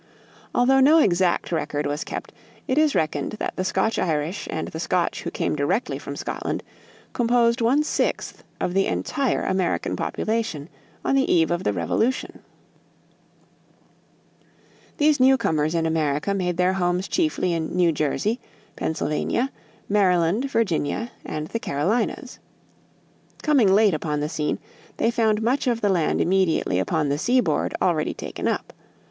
Although no exact record was kept, it is reckoned that the Scotch Irish and the Scotch who came directly from Scotland, composed one sixth of the entire American population on the eve of the Revolution. [Illustration: SETTLEMENTS OF GERMAN AND SCOTCH IRISH IMMIGRANTS] These newcomers in America made their homes chiefly in New Jersey, Pennsylvania, Maryland, Virginia, and the Carolinas. Coming late upon the scene, they found much of the land immediately upon the seaboard already taken up.